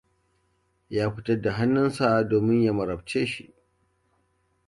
Ya fitar da hannunsa domin ya marabce mu.